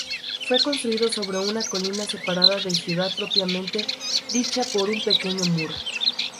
Fue construido sobre una colina separada de ciudad propiamente dicha por un pequeño muro.